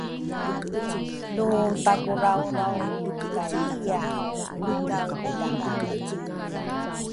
Lu takuraurauru kay takurauru lri udale